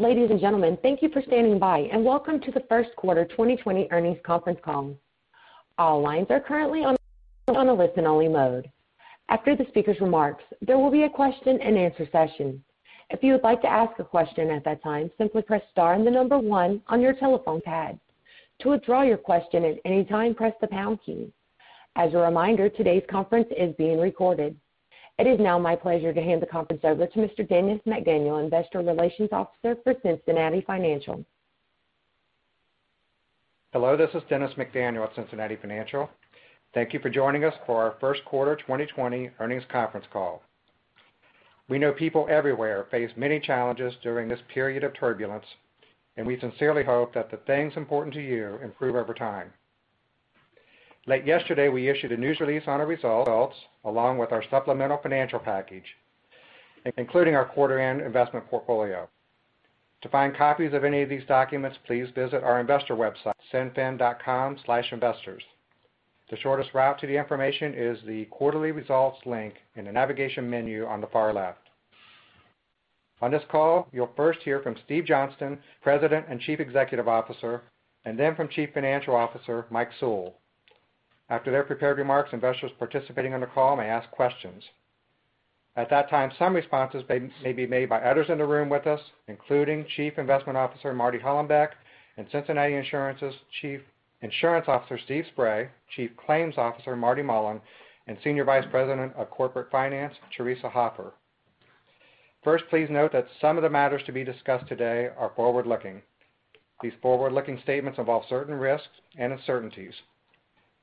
Ladies and gentlemen, thank you for standing by and welcome to the first quarter 2020 earnings conference call. All lines are currently on a listen-only mode. After the speaker's remarks, there will be a question and answer session. If you would like to ask a question at that time, simply press star and the number one on your telephone pad. To withdraw your question at any time, press the pound key. As a reminder, today's conference is being recorded. It is now my pleasure to hand the conference over to Mr. Dennis McDaniel, Investor Relations Officer for Cincinnati Financial. Hello, this is Dennis McDaniel at Cincinnati Financial. Thank you for joining us for our first quarter 2020 earnings conference call. We know people everywhere face many challenges during this period of turbulence. We sincerely hope that the things important to you improve over time. Late yesterday, we issued a news release on our results along with our supplemental financial package, including our quarter end investment portfolio. To find copies of any of these documents, please visit our investor website, cinfin.com/investors. The shortest route to the information is the quarterly results link in the navigation menu on the far left. On this call, you'll first hear from Steve Johnston, President and Chief Executive Officer. Then from Chief Financial Officer, Mike Sewell. After their prepared remarks, investors participating on the call may ask questions. At that time, some responses may be made by others in the room with us, including Chief Investment Officer Marty Hollenbeck and Cincinnati Insurance's Chief Insurance Officer Steve Spray, Chief Claims Officer Marty Mullen, and Senior Vice President of Corporate Finance, Teresa Hopper. First, please note that some of the matters to be discussed today are forward-looking. These forward-looking statements involve certain risks and uncertainties.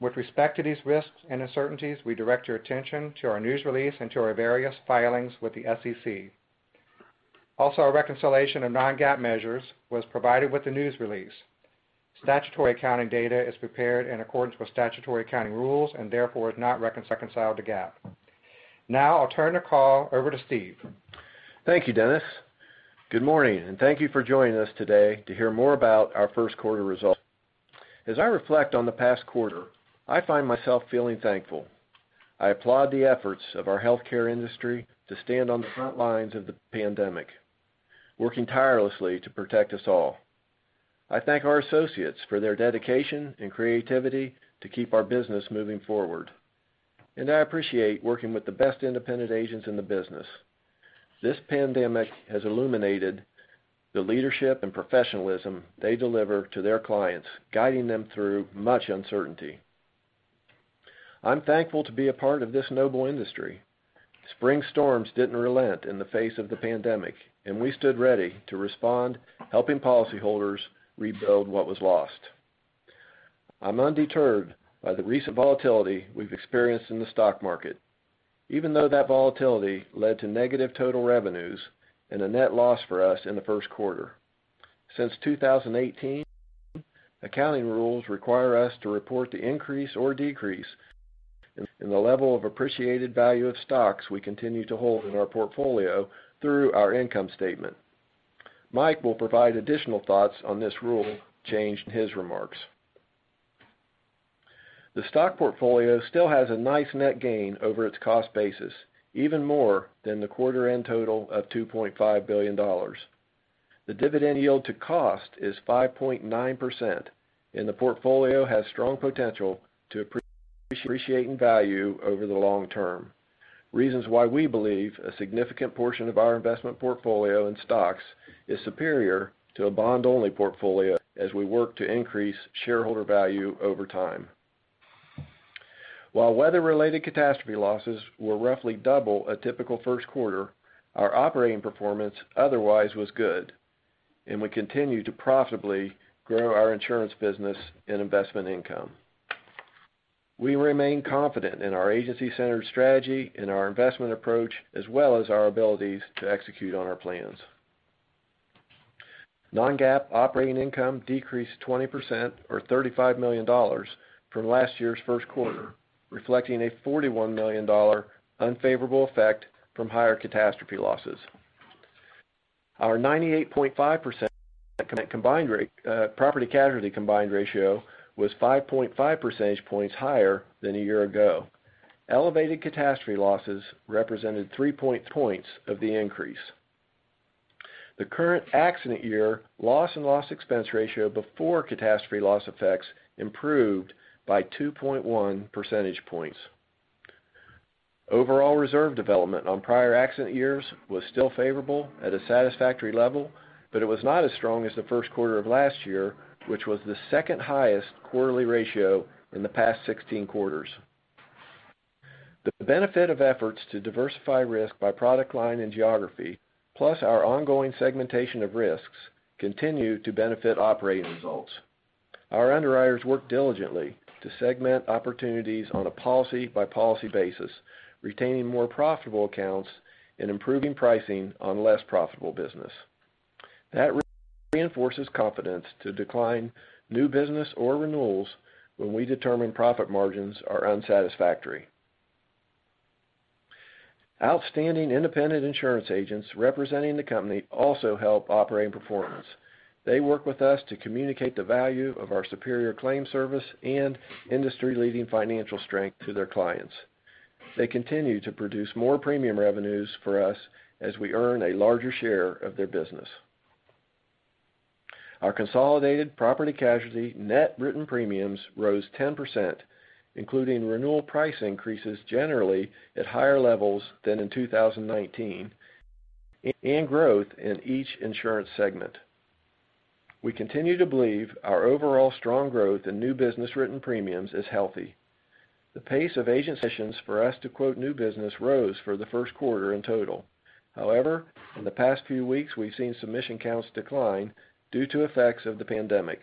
With respect to these risks and uncertainties, we direct your attention to our news release and to our various filings with the SEC. Also, a reconciliation of non-GAAP measures was provided with the news release. Statutory accounting data is prepared in accordance with statutory accounting rules and therefore is not reconciled to GAAP. I'll turn the call over to Steve. Thank you, Dennis. Good morning. Thank you for joining us today to hear more about our first quarter results. As I reflect on the past quarter, I find myself feeling thankful. I applaud the efforts of our healthcare industry to stand on the front lines of the pandemic, working tirelessly to protect us all. I thank our associates for their dedication and creativity to keep our business moving forward. I appreciate working with the best independent agents in the business. This pandemic has illuminated the leadership and professionalism they deliver to their clients, guiding them through much uncertainty. I'm thankful to be a part of this noble industry. Spring storms didn't relent in the face of the pandemic. We stood ready to respond, helping policyholders rebuild what was lost. I'm undeterred by the recent volatility we've experienced in the stock market, even though that volatility led to negative total revenues and a net loss for us in the first quarter. Since 2018, accounting rules require us to report the increase or decrease in the level of appreciated value of stocks we continue to hold in our portfolio through our income statement. Mike will provide additional thoughts on this rule change in his remarks. The stock portfolio still has a nice net gain over its cost basis, even more than the quarter-end total of $2.5 billion. The dividend yield to cost is 5.9%, and the portfolio has strong potential to appreciate in value over the long term. Reasons why we believe a significant portion of our investment portfolio in stocks is superior to a bond-only portfolio as we work to increase shareholder value over time. While weather-related catastrophe losses were roughly double a typical first quarter, our operating performance otherwise was good, and we continue to profitably grow our insurance business and investment income. We remain confident in our agency-centered strategy and our investment approach, as well as our abilities to execute on our plans. Non-GAAP operating income decreased 20% or $35 million from last year's first quarter, reflecting a $41 million unfavorable effect from higher catastrophe losses. Our 98.5% property casualty combined ratio was 5.5 percentage points higher than a year ago. Elevated catastrophe losses represented three points of the increase. The current accident year, loss and loss expense ratio before catastrophe loss effects improved by 2.1 percentage points. Overall reserve development on prior accident years was still favorable at a satisfactory level, but it was not as strong as the first quarter of last year, which was the second highest quarterly ratio in the past 16 quarters. The benefit of efforts to diversify risk by product line and geography, plus our ongoing segmentation of risks, continue to benefit operating results. Our underwriters work diligently to segment opportunities on a policy-by-policy basis, retaining more profitable accounts and improving pricing on less profitable business. That reinforces confidence to decline new business or renewals when we determine profit margins are unsatisfactory. Outstanding independent insurance agents representing the company also help operating performance. They work with us to communicate the value of our superior claim service and industry-leading financial strength to their clients. They continue to produce more premium revenues for us as we earn a larger share of their business. Our consolidated property casualty net written premiums rose 10%, including renewal price increases generally at higher levels than in 2019, and growth in each insurance segment. We continue to believe our overall strong growth in new business written premiums is healthy. The pace of agent submissions for us to quote new business rose for the first quarter in total. However, in the past few weeks, we've seen submission counts decline due to effects of the pandemic.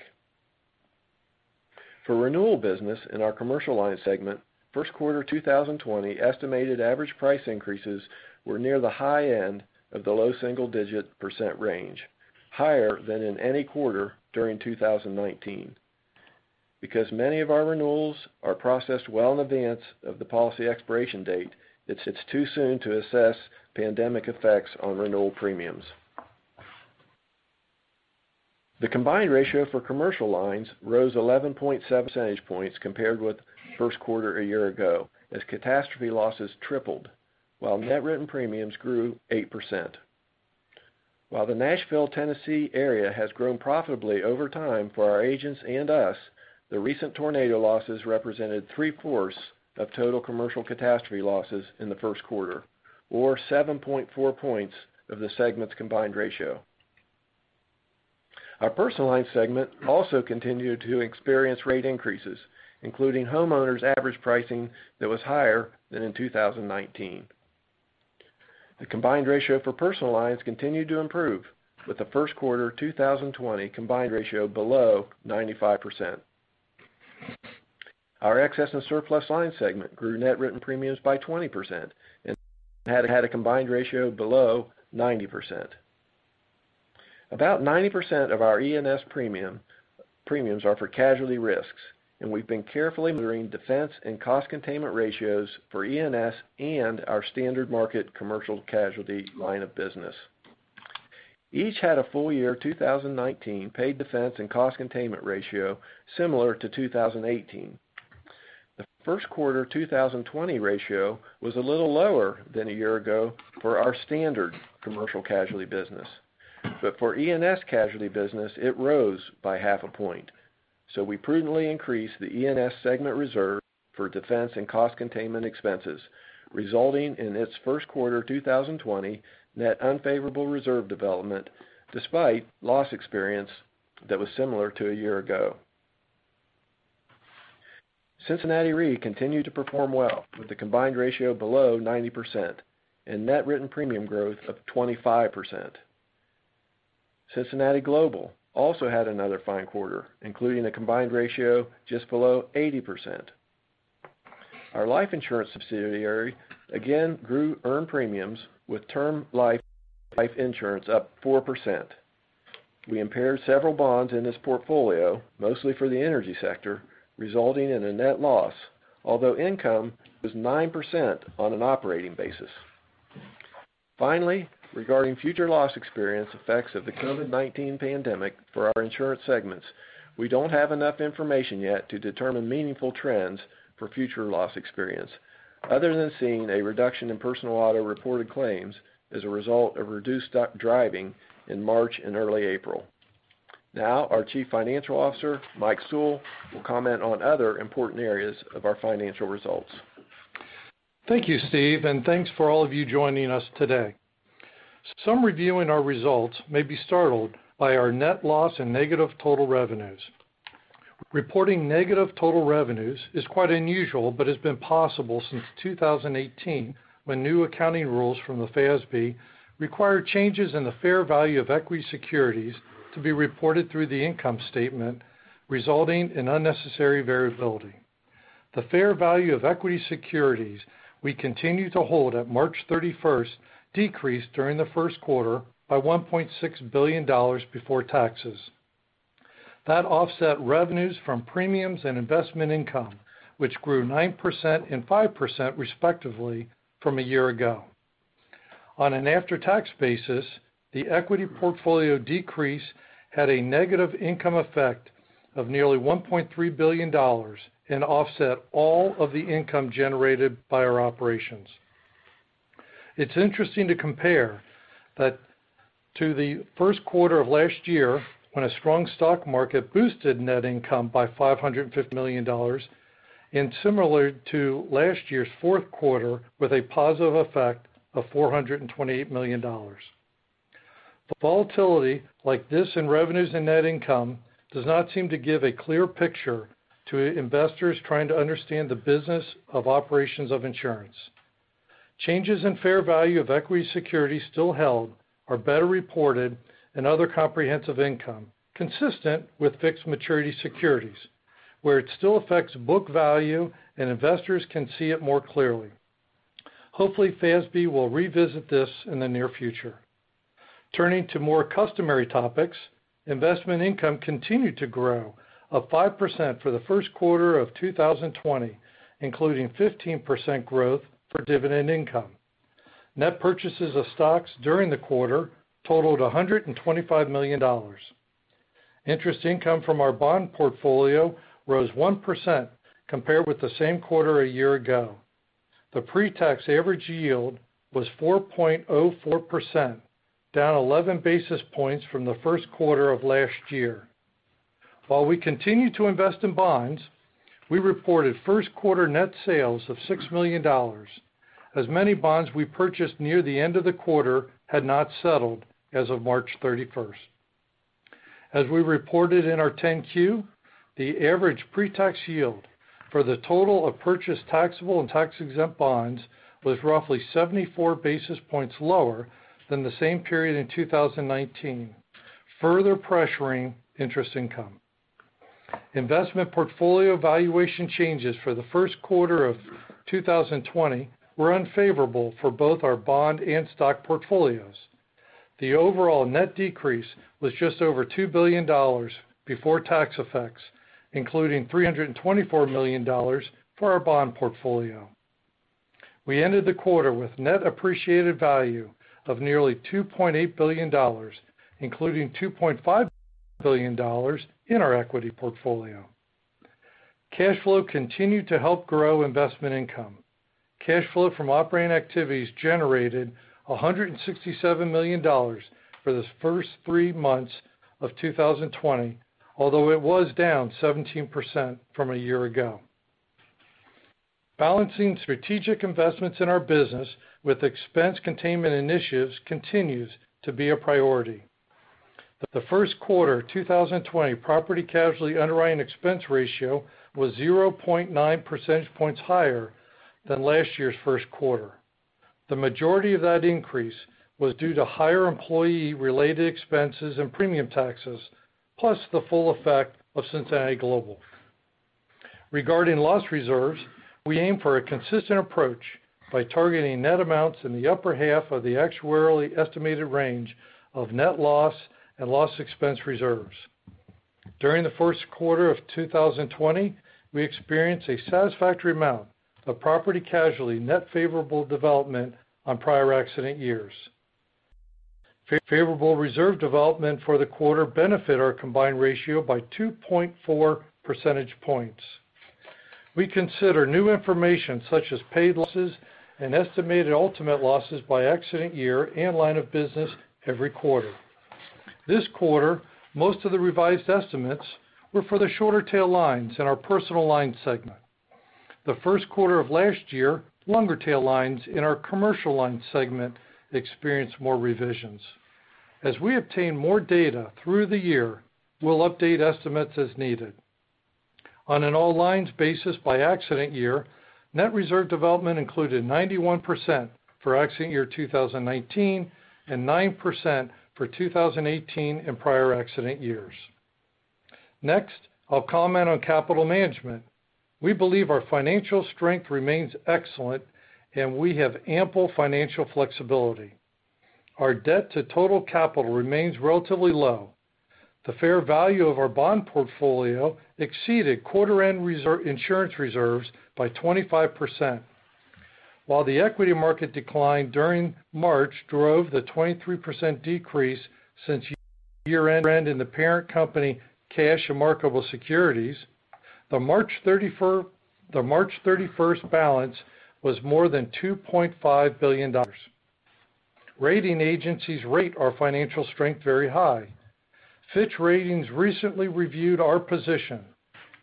For renewal business in our Commercial Lines segment, first quarter 2020 estimated average price increases were near the high end of the low single-digit % range, higher than in any quarter during 2019. Because many of our renewals are processed well in advance of the policy expiration date, it's too soon to assess pandemic effects on renewal premiums. The combined ratio for Commercial Lines rose 11.7 percentage points compared with first quarter a year ago as catastrophe losses tripled, while net written premiums grew 8%. While the Nashville, Tennessee area has grown profitably over time for our agents and us, the recent tornado losses represented three-fourths of total commercial catastrophe losses in the first quarter, or 7.4 points of the segment's combined ratio. Our Personal Lines segment also continued to experience rate increases, including homeowners average pricing that was higher than in 2019. The combined ratio for Personal Lines continued to improve, with the first quarter 2020 combined ratio below 95%. Our Excess and Surplus Lines segment grew net written premiums by 20% and had a combined ratio below 90%. About 90% of our E&S premiums are for casualty risks, we've been carefully monitoring defense and cost containment ratios for E&S and our standard market commercial casualty line of business. Each had a full year 2019 paid defense and cost containment ratio similar to 2018. The first quarter 2020 ratio was a little lower than a year ago for our standard commercial casualty business. For E&S casualty business, it rose by half a point. We prudently increased the E&S segment reserve for defense and cost containment expenses, resulting in its first quarter 2020 net unfavorable reserve development, despite loss experience that was similar to a year ago. Cincinnati Re continued to perform well, with a combined ratio below 90% and net written premium growth of 25%. Cincinnati Global also had another fine quarter, including a combined ratio just below 80%. Our life insurance subsidiary again grew earned premiums, with term life insurance up 4%. We impaired several bonds in this portfolio, mostly for the energy sector, resulting in a net loss, although income was 9% on an operating basis. Regarding future loss experience effects of the COVID-19 pandemic for our insurance segments, we don't have enough information yet to determine meaningful trends for future loss experience, other than seeing a reduction in personal auto-reported claims as a result of reduced driving in March and early April. Our Chief Financial Officer, Mike Sewell, will comment on other important areas of our financial results. Thank you, Steve, and thanks for all of you joining us today. Some reviewing our results may be startled by our net loss and negative total revenues. Reporting negative total revenues is quite unusual, but has been possible since 2018, when new accounting rules from the FASB required changes in the fair value of equity securities to be reported through the income statement, resulting in unnecessary variability. The fair value of equity securities we continue to hold at March 31st decreased during the first quarter by $1.6 billion before taxes. That offset revenues from premiums and investment income, which grew 9% and 5% respectively from a year ago. On an after-tax basis, the equity portfolio decrease had a negative income effect of nearly $1.3 billion and offset all of the income generated by our operations. It's interesting to compare that to the first quarter of last year, when a strong stock market boosted net income by $550 million, and similar to last year's fourth quarter, with a positive effect of $428 million. Volatility like this in revenues and net income does not seem to give a clear picture to investors trying to understand the business of operations of insurance. Changes in fair value of equity securities still held are better reported in other comprehensive income, consistent with fixed maturity securities, where it still affects book value and investors can see it more clearly. Hopefully, FASB will revisit this in the near future. Turning to more customary topics, investment income continued to grow of 5% for the first quarter of 2020, including 15% growth for dividend income. Net purchases of stocks during the quarter totaled $125 million. Interest income from our bond portfolio rose 1% compared with the same quarter a year ago. The pre-tax average yield was 4.04%, down 11 basis points from the first quarter of last year. While we continue to invest in bonds, we reported first quarter net sales of $6 million, as many bonds we purchased near the end of the quarter had not settled as of March 31st. As we reported in our 10-Q, the average pre-tax yield for the total of purchased taxable and tax-exempt bonds was roughly 74 basis points lower than the same period in 2019, further pressuring interest income. Investment portfolio valuation changes for the first quarter of 2020 were unfavorable for both our bond and stock portfolios. The overall net decrease was just over $2 billion before tax effects, including $324 million for our bond portfolio. We ended the quarter with net appreciated value of nearly $2.8 billion, including $2.5 billion in our equity portfolio. Cash flow continued to help grow investment income. Cash flow from operating activities generated $167 million for the first three months of 2020, although it was down 17% from a year ago. Balancing strategic investments in our business with expense containment initiatives continues to be a priority. The first quarter 2020 property casualty underwriting expense ratio was 0.9 percentage points higher than last year's first quarter. The majority of that increase was due to higher employee-related expenses and premium taxes, plus the full effect of Cincinnati Global. Regarding loss reserves, we aim for a consistent approach by targeting net amounts in the upper half of the actuarially estimated range of net loss and loss expense reserves. During the first quarter of 2020, we experienced a satisfactory amount of property casualty net favorable development on prior accident years. Favorable reserve development for the quarter benefit our combined ratio by 2.4 percentage points. We consider new information such as paid losses and estimated ultimate losses by accident year and line of business every quarter. This quarter, most of the revised estimates were for the shorter tail lines in our Personal Lines segment. The first quarter of last year, longer tail lines in our Commercial Lines segment experienced more revisions. As we obtain more data through the year, we'll update estimates as needed. On an all lines basis by accident year, net reserve development included 91% for accident year 2019, and 9% for 2018 and prior accident years. Next, I'll comment on capital management. We believe our financial strength remains excellent, and we have ample financial flexibility. Our debt to total capital remains relatively low. The fair value of our bond portfolio exceeded quarter end insurance reserves by 25%. While the equity market decline during March drove the 23% decrease since year end in the parent company cash and marketable securities, the March 31st balance was more than $2.5 billion. Rating agencies rate our financial strength very high. Fitch Ratings recently reviewed our position,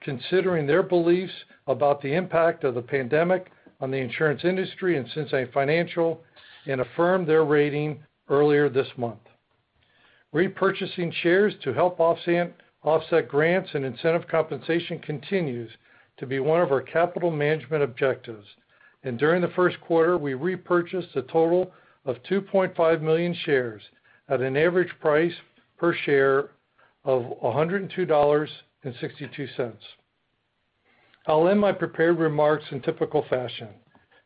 considering their beliefs about the impact of the pandemic on the insurance industry and Cincinnati Financial, and affirmed their rating earlier this month. Repurchasing shares to help offset grants and incentive compensation continues to be one of our capital management objectives. During the first quarter, we repurchased a total of 2.5 million shares at an average price per share of $102.62. I'll end my prepared remarks in typical fashion,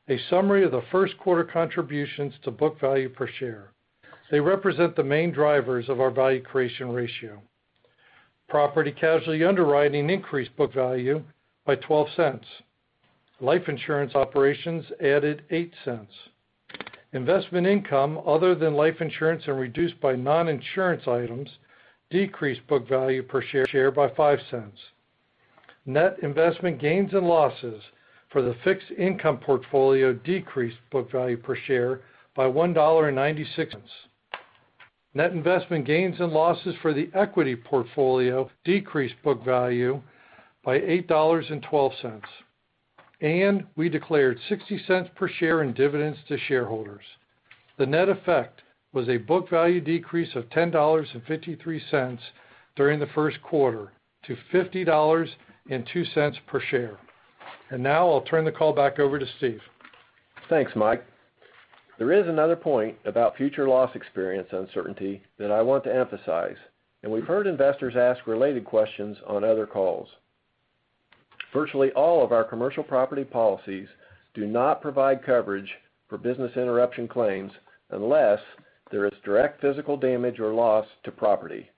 a summary of the first quarter contributions to book value per share. They represent the main drivers of our value creation ratio. Property casualty underwriting increased book value by $0.12. Life insurance operations added $0.08. Investment income other than life insurance and reduced by non-insurance items decreased book value per share by $0.05. Net investment gains and losses for the fixed income portfolio decreased book value per share by $1.96. Net investment gains and losses for the equity portfolio decreased book value by $8.12. We declared $0.60 per share in dividends to shareholders. The net effect was a book value decrease of $10.53 during the first quarter, to $50.02 per share. Now I'll turn the call back over to Steve. Thanks, Mike. There is another point about future loss experience uncertainty that I want to emphasize. We've heard investors ask related questions on other calls. Virtually all of our commercial property policies do not provide coverage for business interruption claims unless there is direct physical damage or loss to property.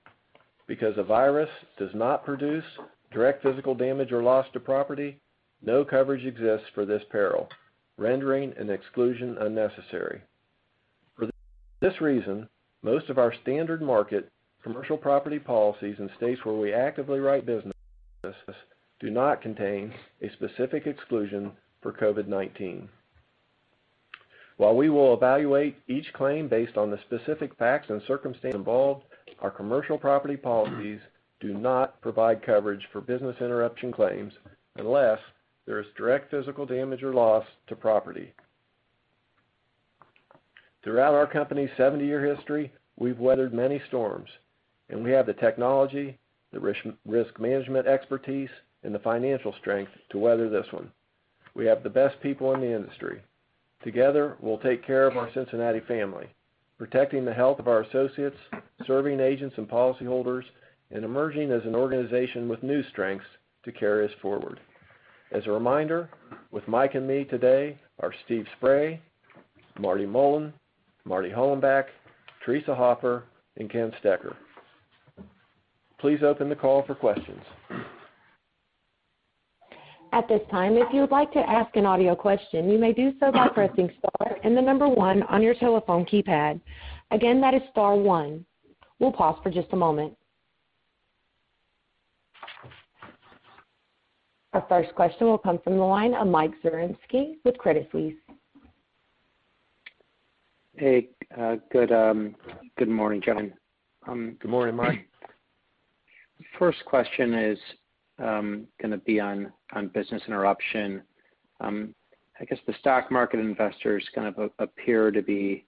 Because a virus does not produce direct physical damage or loss to property, no coverage exists for this peril, rendering an exclusion unnecessary. For this reason, most of our standard market commercial property policies in states where we actively write business do not contain a specific exclusion for COVID-19. While we will evaluate each claim based on the specific facts and circumstances involved, our commercial property policies do not provide coverage for business interruption claims unless there is direct physical damage or loss to property. Throughout our company's 70-year history, we've weathered many storms. We have the technology, the risk management expertise, and the financial strength to weather this one. We have the best people in the industry. Together, we'll take care of our Cincinnati family, protecting the health of our associates, serving agents and policyholders, and emerging as an organization with new strengths to carry us forward. As a reminder, with Mike and me today are Steve Spray, Marty Mullen, Marty Hollenbeck, Teresa Hopper, and Ken Stoecker. Please open the call for questions. At this time, if you would like to ask an audio question, you may do so by pressing star and the number one on your telephone keypad. Again, that is star one. We'll pause for just a moment. Our first question will come from the line of Mike Zaremski with Credit Suisse. Hey, good morning, Steven. Good morning, Mike. First question is going to be on business interruption. I guess the stock market investors kind of appear to be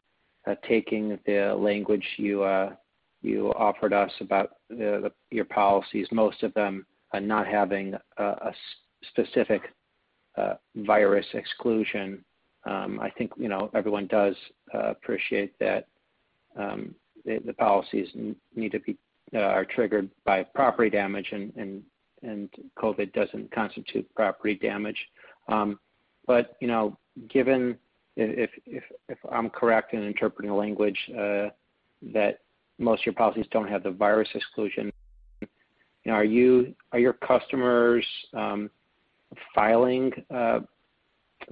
taking the language you offered us about your policies, most of them not having a specific virus exclusion. I think everyone does appreciate that the policies are triggered by property damage, and COVID doesn't constitute property damage. Given, if I'm correct in interpreting the language, that most of your policies don't have the virus exclusion, are your customers filing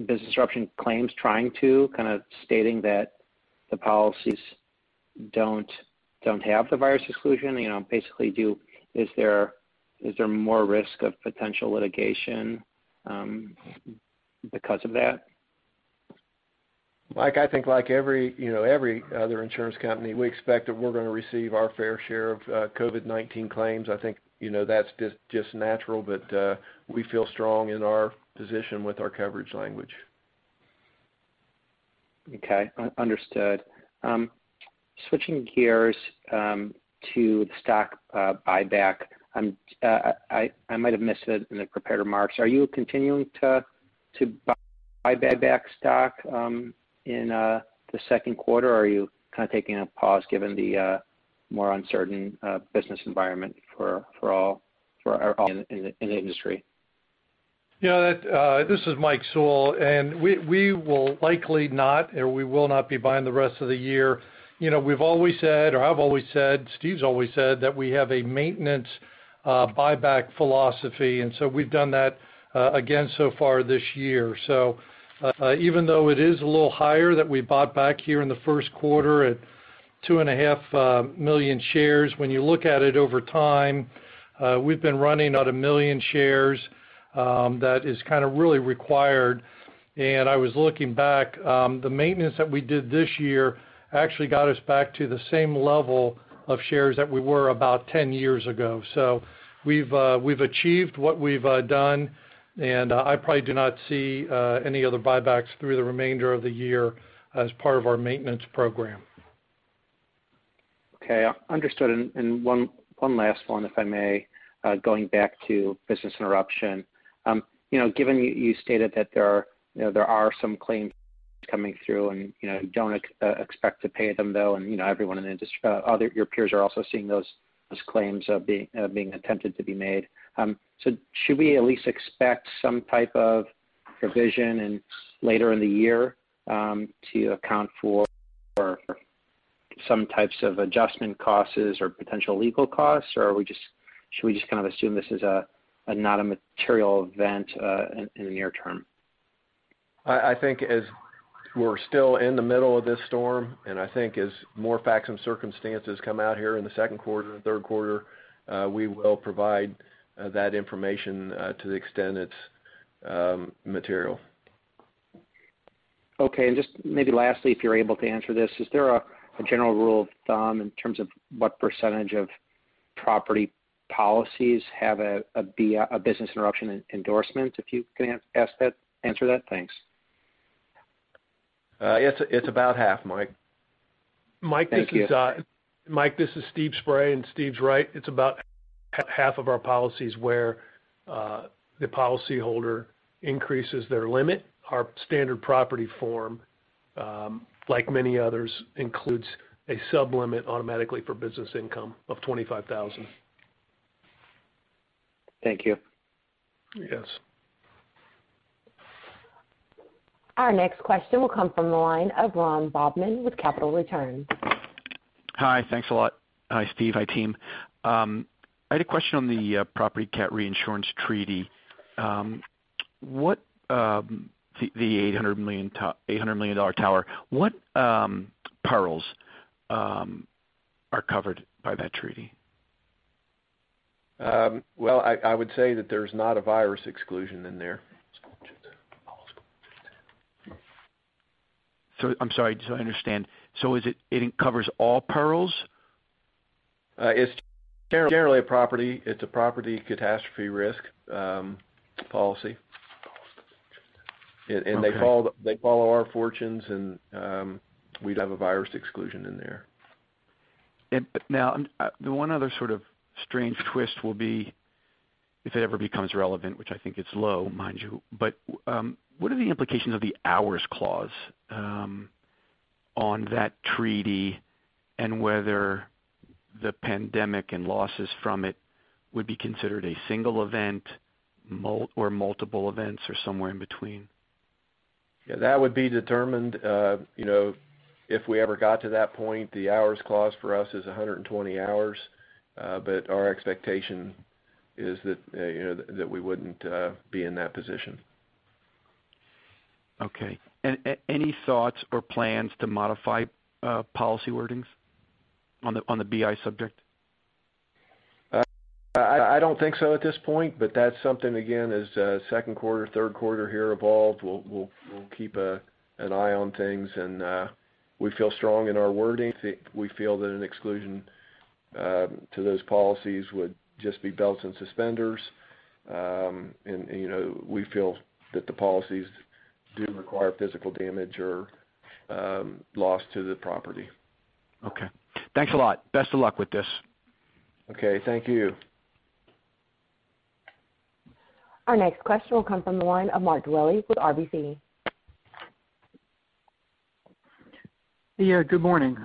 business interruption claims, trying to, kind of stating that the policies don't have the virus exclusion? Basically, is there more risk of potential litigation because of that? Mike, I think like every other insurance company, we expect that we're going to receive our fair share of COVID-19 claims. I think that's just natural. We feel strong in our position with our coverage language. Okay. Understood. Switching gears to the stock buyback. I might have missed it in the prepared remarks. Are you continuing to buy back stock in the second quarter, or are you kind of taking a pause given the more uncertain business environment for all in the industry? This is Mike Sewell, we will likely not, or we will not be buying the rest of the year. We've always said, or I've always said, Steve's always said, that we have a maintenance buyback philosophy, we've done that again so far this year. Even though it is a little higher that we bought back here in the first quarter at two and a half million shares, when you look at it over time, we've been running at a million shares. That is kind of really required. I was looking back, the maintenance that we did this year actually got us back to the same level of shares that we were about 10 years ago. We've achieved what we've done, I probably do not see any other buybacks through the remainder of the year as part of our maintenance program. Okay. Understood. One last one, if I may, going back to business interruption. Given you stated that there are some claims coming through you don't expect to pay them though, your peers are also seeing those claims being attempted to be made. Should we at least expect some type of provision later in the year to account for some types of adjustment costs or potential legal costs, or should we just kind of assume this is not a material event in the near term? I think as we're still in the middle of this storm, I think as more facts and circumstances come out here in the second quarter and third quarter, we will provide that information to the extent it's material. Okay. Just maybe lastly, if you're able to answer this, is there a general rule of thumb in terms of what % of property policies have a business interruption endorsement, if you can answer that? Thanks. It's about half, Mike. Thank you. Mike, this is Steve Spray. Steve's right. It's about half of our policies where the policyholder increases their limit. Our standard property form, like many others, includes a sub-limit automatically for business income of 25,000. Thank you. Yes. Our next question will come from the line of Ron Bobman with Capital Returns. Hi. Thanks a lot. Hi, Steve. Hi, team. I had a question on the property cat reinsurance treaty, the $800 million tower. What perils are covered by that treaty? Well, I would say that there's not a virus exclusion in there. I'm sorry, just so I understand. It covers all perils? It's generally a property. It's a property catastrophe risk policy. Okay. They follow our fortunes, and we wouldn't have a virus exclusion in there. Now, the one other sort of strange twist will be if it ever becomes relevant, which I think it's low, mind you, but what are the implications of the hours clause on that treaty and whether the pandemic and losses from it would be considered a single event or multiple events or somewhere in between? Yeah, that would be determined, if we ever got to that point. The hours clause for us is 120 hours. Our expectation is that we wouldn't be in that position. Okay. Any thoughts or plans to modify policy wordings on the BI subject? I don't think so at this point, but that's something, again, as second quarter, third quarter here evolve, we'll keep an eye on things, and we feel strong in our wording. We feel that an exclusion to those policies would just be belts and suspenders. We feel that the policies do require physical damage or loss to the property. Okay. Thanks a lot. Best of luck with this. Okay. Thank you. Our next question will come from the line of Mark Dwelle with RBC. Yeah, good morning.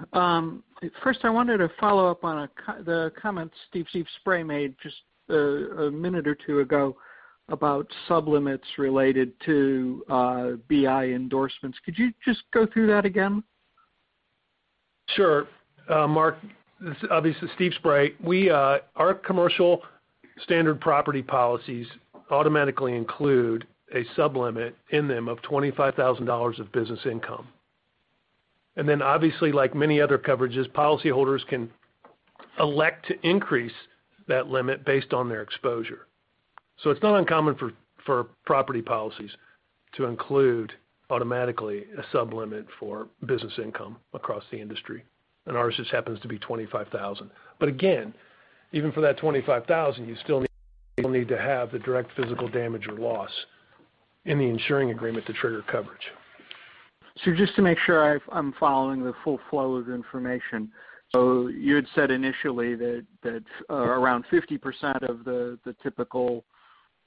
First I wanted to follow up on the comments Steve Spray made just a minute or two ago about sub-limits related to BI endorsements. Could you just go through that again? Mark, this is obviously Steve Spray. Our Commercial Lines standard property policies automatically include a sub-limit in them of $25,000 of business income. Obviously, like many other coverages, policyholders can elect to increase that limit based on their exposure. It's not uncommon for property policies to include automatically a sub-limit for business income across the industry. Ours just happens to be $25,000. Again, even for that $25,000, you still need to have the direct physical damage or loss in the insuring agreement to trigger coverage. Just to make sure I'm following the full flow of the information. You had said initially that around 50% of the typical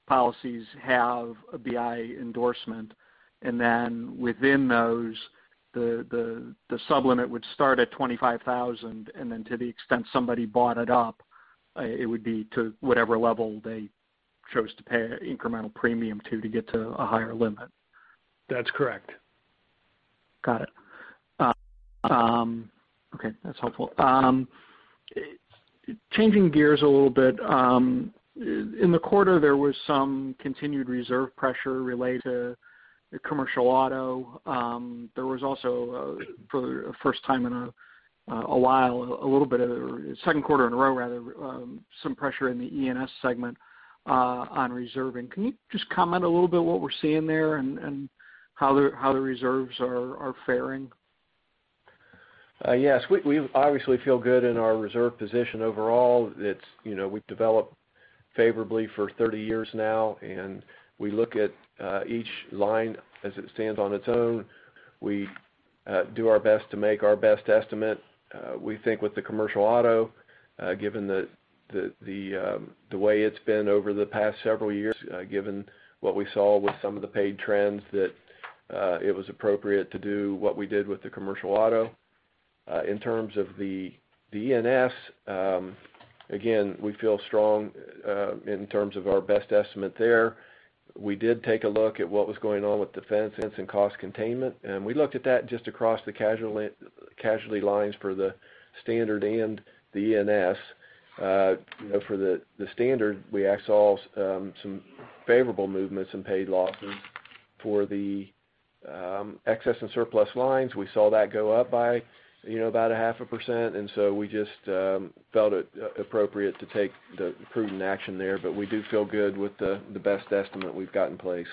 policies have a BI endorsement, within those, the sub-limit would start at $25,000, to the extent somebody bought it up, it would be to whatever level they chose to pay incremental premium to get to a higher limit. That's correct. Got it. Okay, that's helpful. Changing gears a little bit. In the quarter, there was some continued reserve pressure related to commercial auto. There was also for the first time in a while, second quarter in a row, rather, some pressure in the E&S segment on reserving. Can you just comment a little bit what we're seeing there and how the reserves are faring? Yes. We obviously feel good in our reserve position overall. We've developed favorably for 30 years now, and we look at each line as it stands on its own. We do our best to make our best estimate. We think with the Commercial Auto, given the way it's been over the past several years, given what we saw with some of the paid trends, that it was appropriate to do what we did with the Commercial Auto. In terms of the E&S, again, we feel strong in terms of our best estimate there. We did take a look at what was going on with defense and cost containment, and we looked at that just across the casualty lines for the standard and the E&S. For the standard, we saw some favorable movements in paid losses. For the Excess and Surplus Lines, we saw that go up by about a half a percent, we just felt it appropriate to take the prudent action there. We do feel good with the best estimate we've got in place.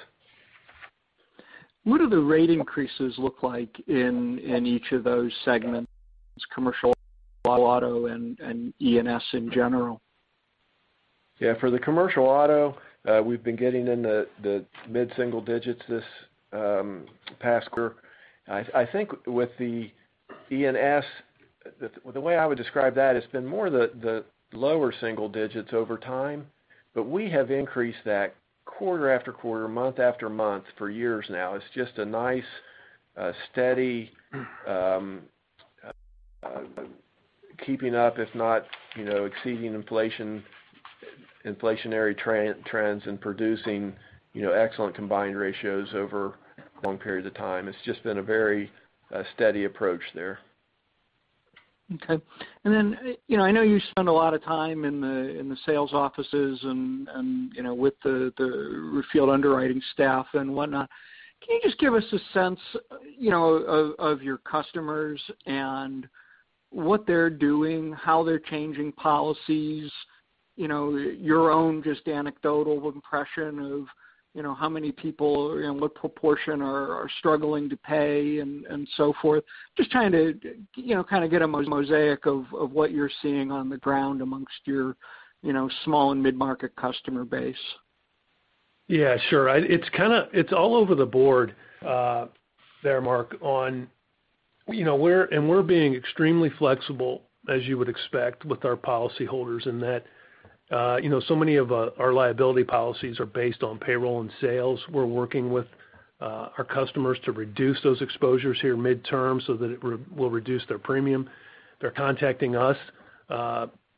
What do the rate increases look like in each of those segments, Commercial Auto and E&S in general? Yeah. For the Commercial Auto, we've been getting in the mid-single digits this past quarter. I think with the E&S, the way I would describe that, it's been more the lower single digits over time, we have increased that quarter after quarter, month after month for years now. It's just a nice, steady keeping up if not exceeding inflation inflationary trends and producing excellent combined ratios over long periods of time. It's just been a very steady approach there. Okay. I know you spend a lot of time in the sales offices and with the field underwriting staff and whatnot. Can you just give us a sense of your customers and what they're doing, how they're changing policies, your own just anecdotal impression of how many people, what proportion are struggling to pay and so forth? Just trying to kind of get a mosaic of what you're seeing on the ground amongst your small and mid-market customer base. Yeah, sure. It's all over the board there, Mark. We're being extremely flexible, as you would expect with our policy holders in that so many of our liability policies are based on payroll and sales. We're working with our customers to reduce those exposures here midterm so that it will reduce their premium. They're contacting us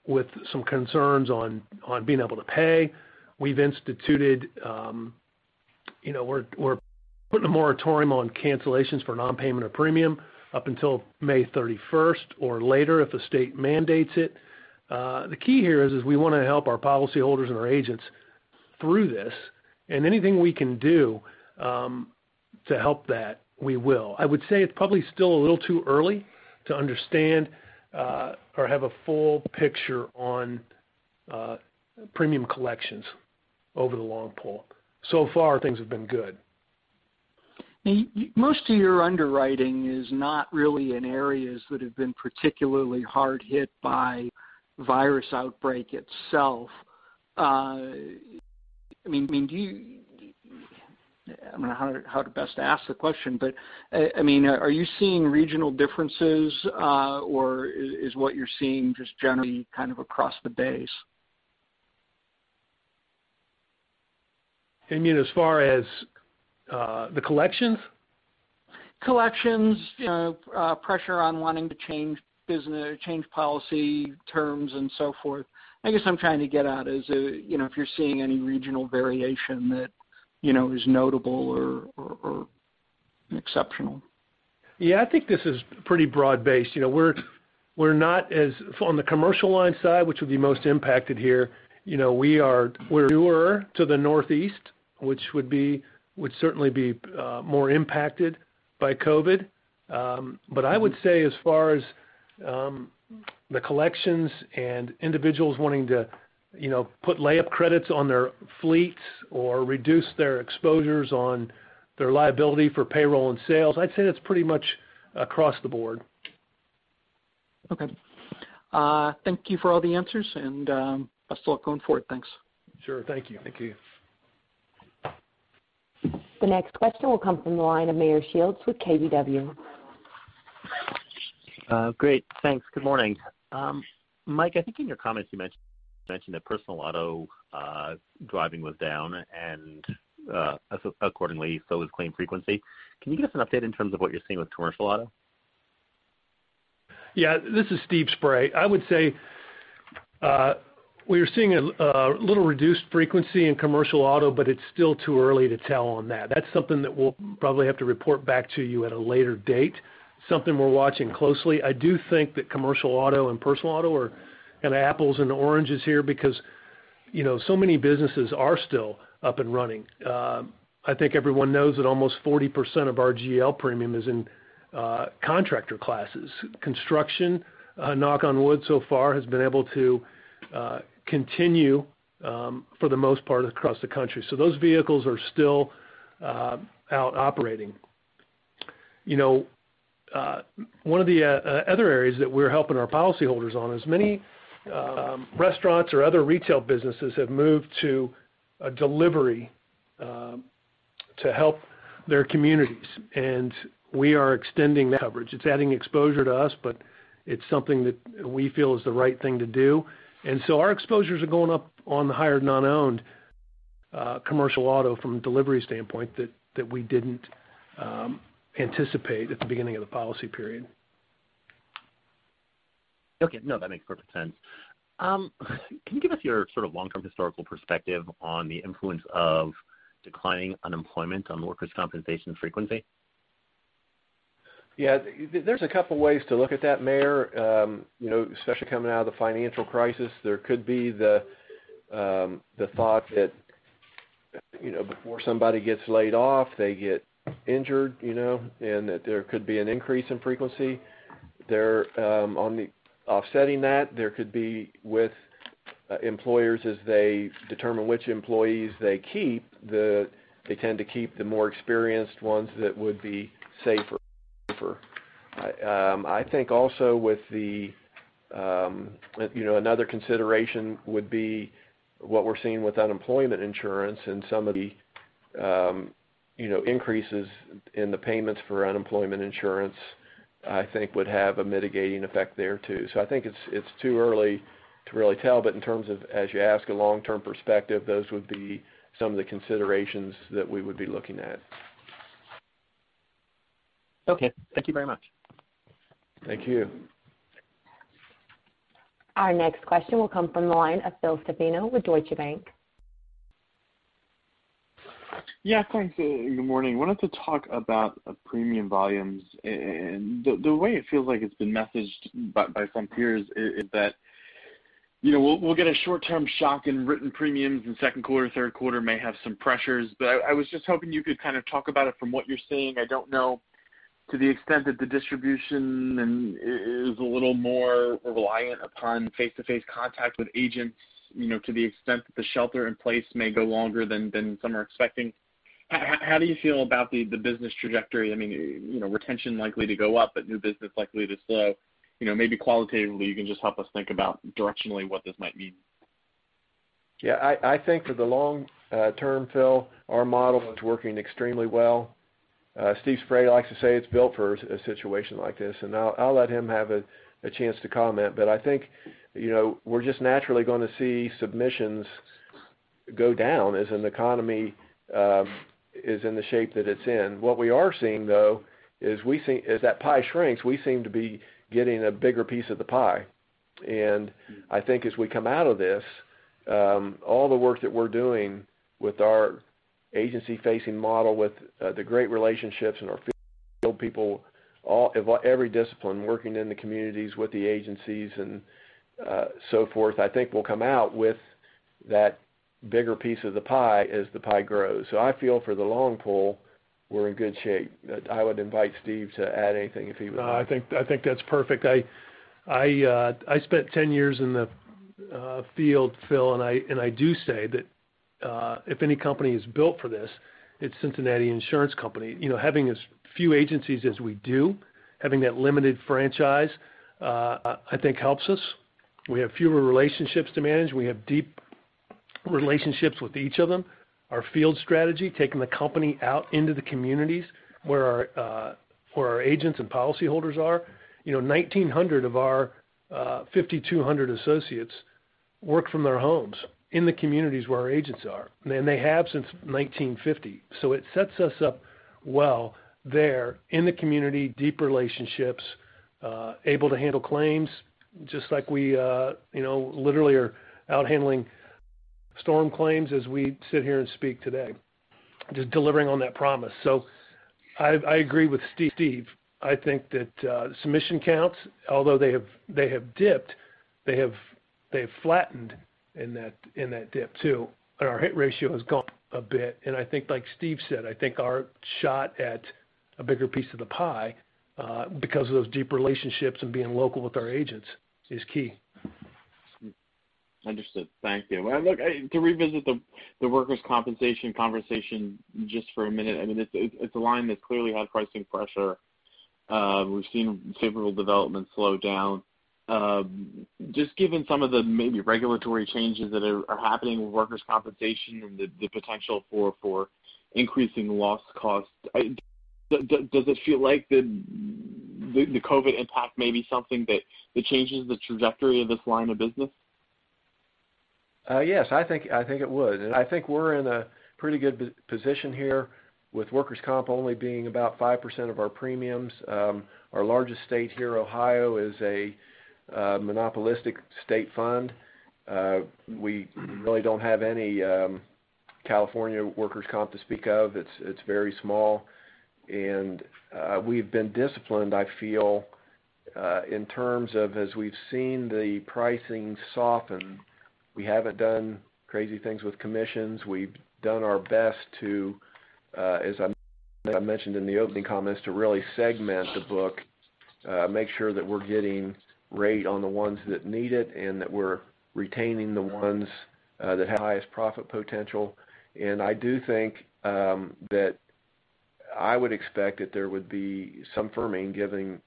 with some concerns on being able to pay. We're putting a moratorium on cancellations for non-payment of premium up until May 31st or later if the state mandates it. The key here is we want to help our policy holders and our agents through this, and anything we can do to help that, we will. I would say it's probably still a little too early to understand or have a full picture on premium collections over the long pull. So far, things have been good. Most of your underwriting is not really in areas that have been particularly hard hit by virus outbreak itself. I don't know how to best ask the question, are you seeing regional differences or is what you're seeing just generally kind of across the base? You mean as far as the collections? Collections, pressure on wanting to change policy terms and so forth. I guess I'm trying to get at is if you're seeing any regional variation that is notable or exceptional. Yeah, I think this is pretty broad-based. On the Commercial Lines side, which would be most impacted here, we're newer to the Northeast, which would certainly be more impacted by COVID. I would say as far as the collections and individuals wanting to put lay-up credits on their fleets or reduce their exposures on their liability for payroll and sales, I'd say that's pretty much across the board. Okay. Thank you for all the answers, and best of luck going forward. Thanks. Sure. Thank you. Thank you. The next question will come from the line of Meyer Shields with KBW. Great. Thanks. Good morning. Mike, I think in your comments you mentioned that personal auto driving was down, and accordingly, so was claim frequency. Can you give us an update in terms of what you're seeing with commercial auto? Yeah. This is Steve Spray. I would say we are seeing a little reduced frequency in commercial auto, but it's still too early to tell on that. That's something that we'll probably have to report back to you at a later date. Something we're watching closely. I do think that commercial auto and personal auto are kind of apples and oranges here because so many businesses are still up and running. I think everyone knows that almost 40% of our GL premium is in contractor classes. Construction, knock on wood, so far has been able to continue for the most part across the country. Those vehicles are still out operating. One of the other areas that we're helping our policyholders on is many restaurants or other retail businesses have moved to delivery to help their communities, and we are extending the coverage. It's adding exposure to us, but it's something that we feel is the right thing to do. Our exposures are going up on the hired non-owned commercial auto from a delivery standpoint that we didn't anticipate at the beginning of the policy period. Okay. No, that makes perfect sense. Can you give us your sort of long-term historical perspective on the influence of declining unemployment on workers' compensation frequency? Yeah. There's a couple ways to look at that, Meyer. Especially coming out of the financial crisis, there could be the thought that before somebody gets laid off, they get injured, and that there could be an increase in frequency. Offsetting that, there could be with employers as they determine which employees they keep, they tend to keep the more experienced ones that would be safer. I think also another consideration would be what we're seeing with unemployment insurance and some of the increases in the payments for unemployment insurance, I think, would have a mitigating effect there, too. I think it's too early to really tell, but in terms of, as you ask, a long-term perspective, those would be some of the considerations that we would be looking at. Okay. Thank you very much. Thank you. Our next question will come from the line of Phil Stefano with Deutsche Bank. Yeah, thanks. Good morning. Wanted to talk about premium volumes. The way it feels like it's been messaged by some peers is that we'll get a short-term shock in written premiums, second quarter, third quarter may have some pressures, I was just hoping you could kind of talk about it from what you're seeing. I don't know to the extent that the distribution is a little more reliant upon face-to-face contact with agents, to the extent that the shelter in place may go longer than some are expecting. How do you feel about the business trajectory? Retention likely to go up, but new business likely to slow. Maybe qualitatively, you can just help us think about directionally what this might mean. I think for the long term, Phil, our model is working extremely well. Steve Spray likes to say it's built for a situation like this, I'll let him have a chance to comment. I think, we're just naturally going to see submissions go down as an economy is in the shape that it's in. What we are seeing, though, is as that pie shrinks, we seem to be getting a bigger piece of the pie. I think as we come out of this, all the work that we're doing with our agency-facing model, with the great relationships and our field people, every discipline, working in the communities with the agencies and so forth, I think we'll come out with that bigger piece of the pie as the pie grows. I feel for the long pull, we're in good shape. I would invite Steve to add anything if he would like. No, I think that's perfect. I spent 10 years in the field, Phil, and I do say that if any company is built for this, it's Cincinnati Insurance Company. Having as few agencies as we do, having that limited franchise, I think helps us. We have fewer relationships to manage. We have deep relationships with each of them. Our field strategy, taking the company out into the communities where our agents and policyholders are. 1,900 of our 5,200 associates work from their homes in the communities where our agents are, and they have since 1950. It sets us up well there in the community, deep relationships, able to handle claims, just like we literally are out handling storm claims as we sit here and speak today. Just delivering on that promise. I agree with Steve. I think that submission counts, although they have dipped, they have flattened in that dip, too, and our hit ratio has gone up a bit. I think like Steve said, I think our shot at a bigger piece of the pie, because of those deep relationships and being local with our agents, is key. Understood. Thank you. To revisit the workers' compensation conversation just for a minute. It's a line that clearly had pricing pressure. We've seen favorable development slow down. Just given some of the maybe regulatory changes that are happening with workers' compensation and the potential for increasing loss costs, does it feel like the COVID impact may be something that changes the trajectory of this line of business? Yes, I think it would. I think we're in a pretty good position here with workers' comp only being about 5% of our premiums. Our largest state here, Ohio, is a monopolistic state fund. We really don't have any California workers' comp to speak of. It's very small. We've been disciplined, I feel, in terms of as we've seen the pricing soften, we haven't done crazy things with commissions. We've done our best to, as I mentioned in the opening comments, to really segment the book, make sure that we're getting rate on the ones that need it, and that we're retaining the ones that have highest profit potential. I do think that I would expect that there would be some firming given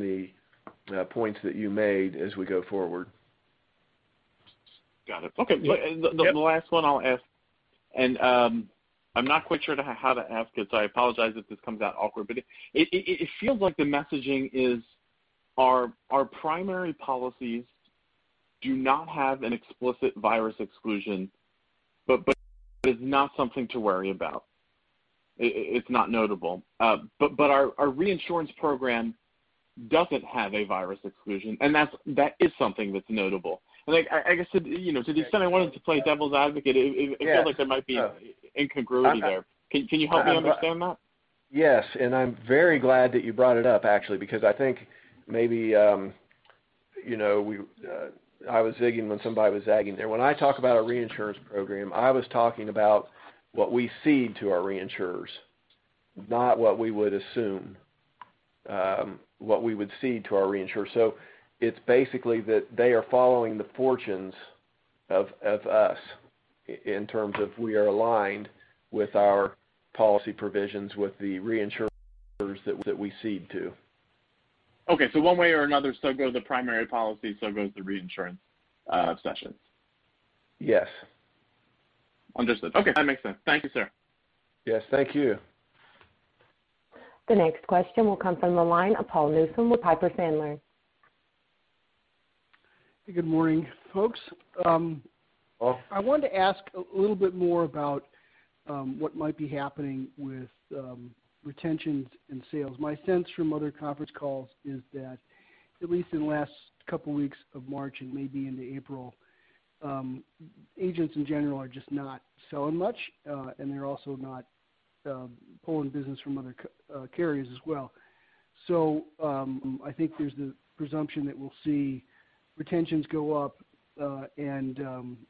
the points that you made as we go forward. Got it. Okay. Yeah. The last one I'll ask. I'm not quite sure how to ask it. I apologize if this comes out awkward. It feels like the messaging is our primary policies do not have an explicit virus exclusion, but it is not something to worry about. It's not notable. Our reinsurance program doesn't have a virus exclusion. That is something that's notable. To the extent I wanted to play devil's advocate. Yeah It feels like there might be an incongruity there. Can you help me understand that? Yes, I'm very glad that you brought it up, actually, because I think maybe I was zigging when somebody was zagging there. When I talk about a reinsurance program, I was talking about what we cede to our reinsurers, not what we would assume. What we would cede to our reinsurers. It's basically that they are following the fortunes of us in terms of we are aligned with our policy provisions with the reinsurers that we cede to. Okay. One way or another, so go the primary policy, so goes the reinsurance cessions. Yes. Understood. Okay. That makes sense. Thank you, sir. Yes. Thank you. The next question will come from the line of Paul Newsome with Piper Sandler. Good morning, folks. Paul. I wanted to ask a little bit more about what might be happening with retentions and sales. My sense from other conference calls is that, at least in the last couple weeks of March and maybe into April, agents in general are just not selling much, and they're also not pulling business from other carriers as well. I think there's the presumption that we'll see retentions go up and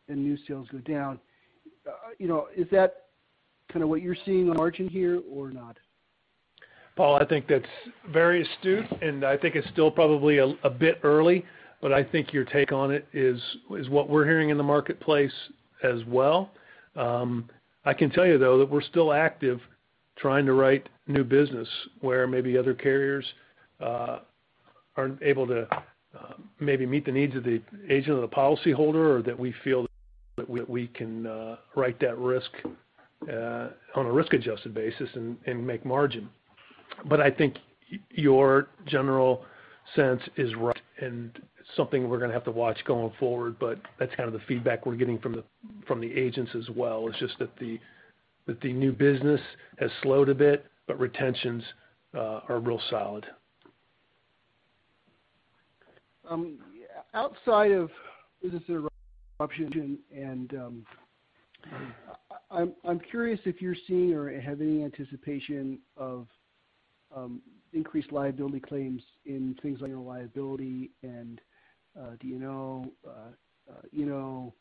new sales go down. Is that kind of what you're seeing in March in here or not? Paul, I think that's very astute, and I think it's still probably a bit early, but I think your take on it is what we're hearing in the marketplace as well. I can tell you though that we're still active trying to write new business where maybe other carriers aren't able to maybe meet the needs of the agent or the policyholder, or that we feel that we can write that risk on a risk-adjusted basis and make margin. I think your general sense is right, and something we're going to have to watch going forward, but that's kind of the feedback we're getting from the agents as well, is just that the new business has slowed a bit, but retentions are real solid. Outside of business interruption, I'm curious if you're seeing or have any anticipation of increased liability claims in things like your liability and D&O, E&O,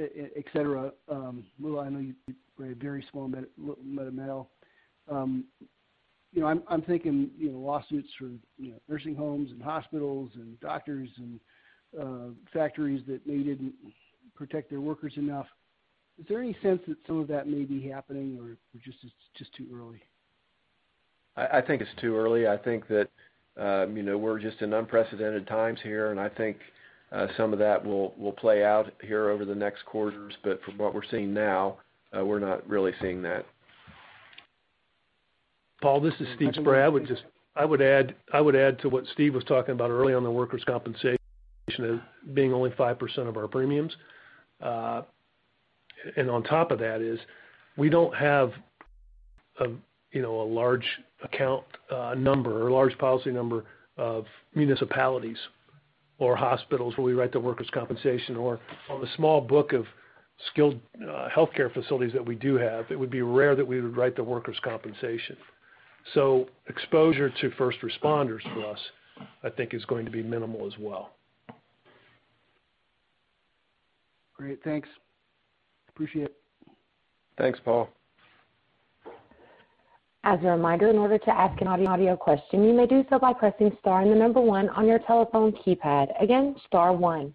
et cetera. Well, I know you write very small med, little med-mal. I'm thinking lawsuits for nursing homes and hospitals and doctors and factories that they didn't protect their workers enough. Is there any sense that some of that may be happening or it's just too early? I think it's too early. I think that we're just in unprecedented times here, I think some of that will play out here over the next quarters. From what we're seeing now, we're not really seeing that. Paul, this is Steve Spray. I would add to what Steve was talking about earlier on the workers' compensation as being only 5% of our premiums. On top of that is we don't have a large account number or a large policy number of municipalities or hospitals where we write the workers' compensation, or on the small book of skilled healthcare facilities that we do have, it would be rare that we would write the workers' compensation. Exposure to first responders for us, I think, is going to be minimal as well. Great. Thanks. Appreciate it. Thanks, Paul. As a reminder, in order to ask an audio question, you may do so by pressing star and the number one on your telephone keypad. Again, star one.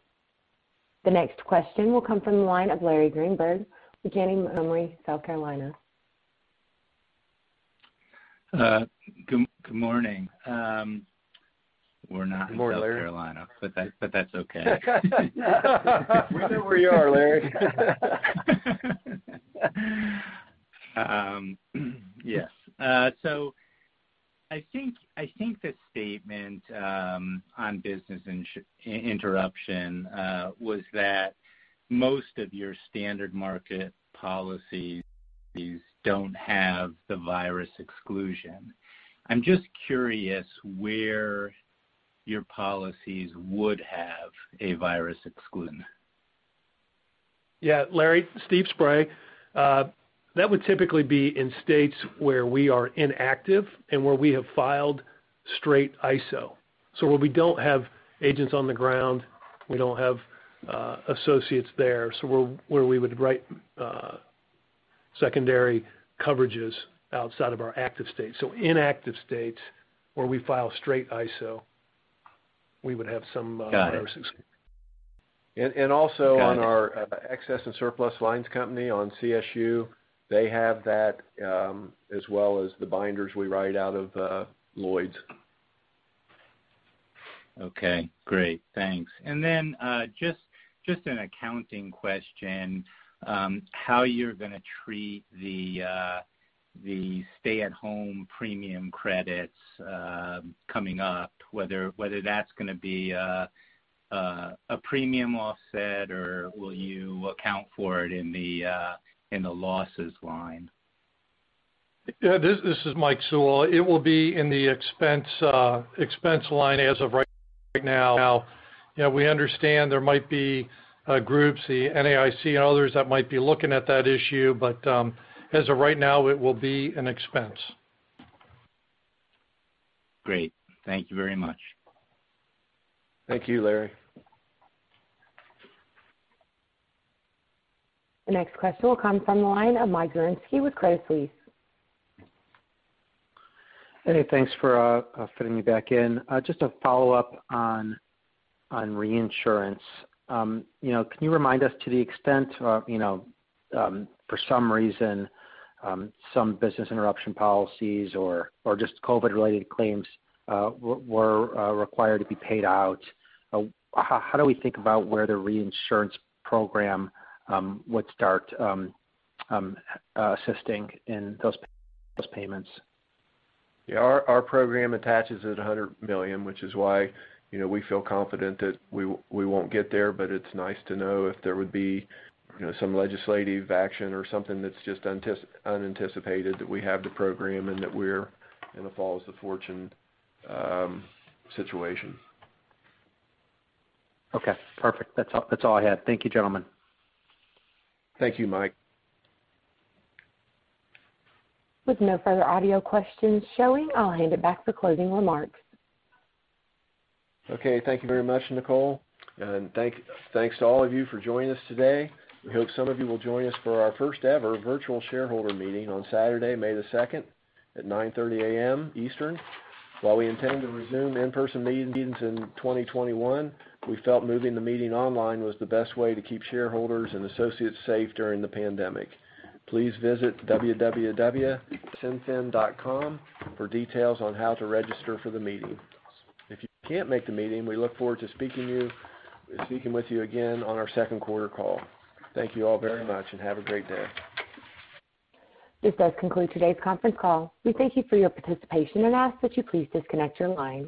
The next question will come from the line of Larry Greenberg with Janney Montgomery Scott. Good morning. Good morning, Larry. in South Carolina. That's okay. We know where you are, Larry. Yes. I think the statement on business interruption was that most of your standard market policies don't have the virus exclusion. I'm just curious where your policies would have a virus exclusion. Yeah. Larry, Steve Spray. That would typically be in states where we are inactive and where we have filed straight ISO. Where we don't have agents on the ground, we don't have associates there, so where we would write secondary coverages outside of our active state. Inactive states where we file straight ISO, we would have some. Got it virus exclusion. Also on our- Got it Excess and surplus lines company on CSU, they have that, as well as the binders we write out of Lloyd's. Okay, great. Thanks. Then, just an accounting question, how you're going to treat the stay-at-home premium credits coming up, whether that's going to be a premium offset or will you account for it in the losses line? Yeah, this is Mike Sewell. It will be in the expense line as of right now. We understand there might be groups, the NAIC and others, that might be looking at that issue. As of right now, it will be an expense. Great. Thank you very much. Thank you, Larry. The next question will come from the line of Mike Zaremski with Credit Suisse. Hey, thanks for fitting me back in. Just a follow-up on reinsurance. Can you remind us to the extent, for some reason, some business interruption policies or just COVID-related claims were required to be paid out, how do we think about where the reinsurance program would start assisting in those payments? Yeah, our program attaches at $100 million, which is why we feel confident that we won't get there, but it's nice to know if there would be some legislative action or something that's just unanticipated, that we have the program and that we're in a follow-the-fortunes situation. Okay, perfect. That's all I had. Thank you, gentlemen. Thank you, Mike. With no further audio questions showing, I'll hand it back for closing remarks. Okay. Thank you very much, Nicole, and thanks to all of you for joining us today. We hope some of you will join us for our first-ever virtual shareholder meeting on Saturday, May the 2nd at 9:30 A.M. Eastern. While we intend to resume in-person meetings in 2021, we felt moving the meeting online was the best way to keep shareholders and associates safe during the pandemic. Please visit www.cinfin.com for details on how to register for the meeting. If you can't make the meeting, we look forward to speaking with you again on our second quarter call. Thank you all very much and have a great day. This does conclude today's conference call. We thank you for your participation and ask that you please disconnect your line.